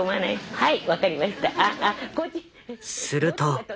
はい。